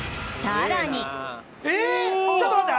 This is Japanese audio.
ちょっと待って！